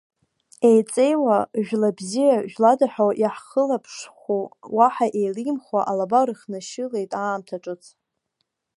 Еиҵеиуа, жәла бзиа, жәлада ҳәа иаҳхылаԥшхәу уаҳа еилимхуа, алаба рыхнашьылеит аамҭа ҿыц.